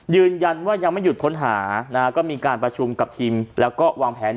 ยืนยันว่ายังไม่หยุดค้นหานะฮะก็มีการประชุมกับทีมแล้วก็วางแผน